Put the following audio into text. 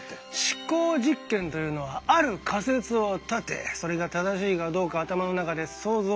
思考実験というのはある仮説を立てそれが正しいかどうか頭の中で想像しながら検証するんだ。